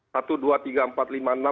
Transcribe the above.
satu dua tiga empat lima enam